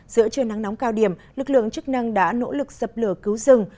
giữa trưa nắng nóng cao điểm lực lượng chức năng đã nỗ lực dập lửa cứu rừng